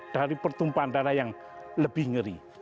dari pertumpahan darah yang lebih ngeri